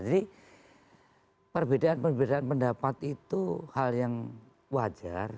jadi perbedaan perbedaan pendapat itu hal yang wajar